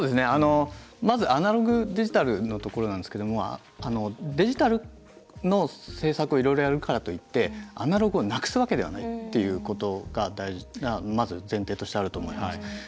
まず、アナログデジタルのところなんですけどもデジタルの政策をいろいろやるからといってアナログをなくすわけではないっていうことがまず前提としてあると思います。